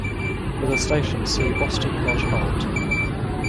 For the station see Boston Lodge Halt.